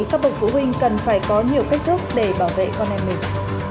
các bậc phụ huynh cần phải có nhiều cách thức để bảo vệ con em mình